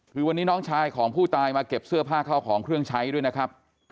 คือวันนี้น้องชายของผู้ตายมาเก็บเสื้อผ้าเข้าของเครื่องใช้ด้วยนะครับ